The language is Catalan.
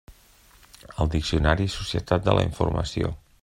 El Diccionari Societat de la informació.